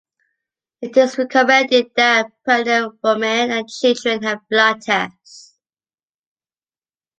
It is recommended that pregnant women and children have blood tests.